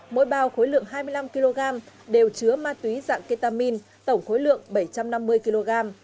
mỗi bao khối lượng hai mươi năm kg đều chứa ma túy dạng ketamin tổng khối lượng bảy trăm năm mươi kg